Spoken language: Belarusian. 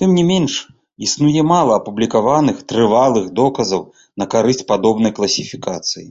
Тым ня менш, існуе мала апублікаваных трывалых доказаў на карысць падобнай класіфікацыі.